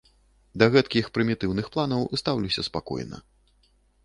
Да гэткіх прымітыўных планаў стаўлюся спакойна.